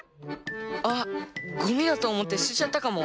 あっゴミだとおもってすてちゃったかも。